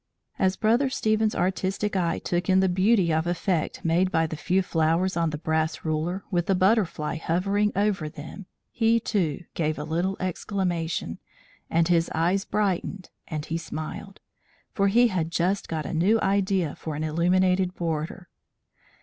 As Brother Stephen's artistic eye took in the beauty of effect made by the few flowers on the brass ruler with the butterfly hovering over them, he, too, gave a little exclamation, and his eyes brightened and he smiled; for he had just got a new idea for an illuminated border.